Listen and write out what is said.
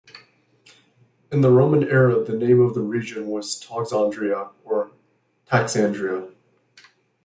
In the Roman era the name of the region was Toxandria or Taxandria.